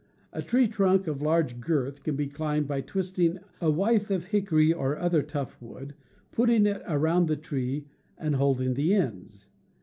A tree trunk of large girth can be climbed by twisting a withe of hickory or other tough wood, putting it around the tree, and holding the ends.